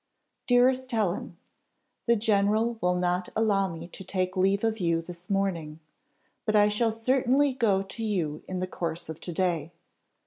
"Dearest Helen, The general will not allow me to take leave of you this morning, but I shall certainly go to you in the course of to day.